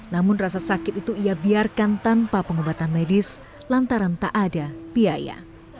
namun rasa sakit itu ia biarkan tanpa pengobatan medis lantaran tak ada biaya